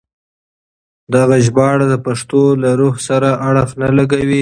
دغه ژباړه د پښتو له روح سره اړخ نه لګوي.